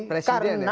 presiden memang ya